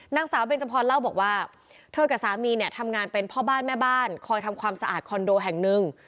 นางสาวเบนจพรเล่าบอกว่าเธอกับสามีเนี่ยทำงานเป็นพ่อบ้านแม่บ้านคอยทำความสะอาดคอนโดแห่งหนึ่ง